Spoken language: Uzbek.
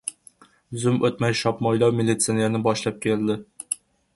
Zum o‘tmay, shopmo‘ylov militsionerni boshlab keldi.